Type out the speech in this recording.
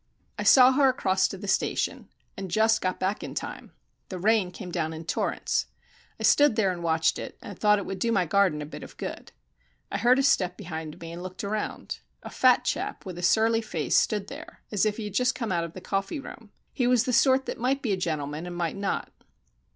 I saw her across to the station, and just got back in time. The rain came down in torrents. I stood there and watched it, and thought it would do my garden a bit of good. I heard a step behind me and looked round. A fat chap with a surly face stood there, as if he had just come out of the coffee room. He was the sort that might be a gentleman and might not.